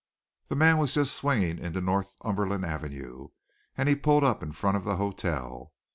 The man was just swinging into Northumberland Avenue, and he pulled up in front of the hotel.